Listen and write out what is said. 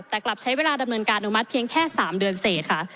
แต่กลับใช้เวลาดำเนินการอนุมัติเพียงแค่๓เดือนเสร็จค่ะ